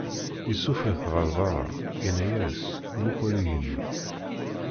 Issufɣ-it ɣer beṛṛa, inna-yas: Muqel igenni.